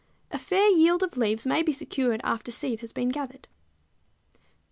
A fair yield of leaves may be secured after seed has been gathered.